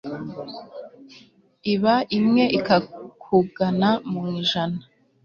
iba imwe ikakugana mu ijana